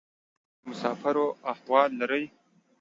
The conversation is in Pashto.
له مسافرو احوال لرې؟